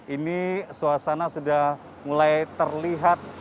ini suasana sudah mulai terlihat